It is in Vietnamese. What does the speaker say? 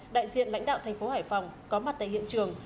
đại diện lãnh đạo tp hải phòng có mặt tại hiện trường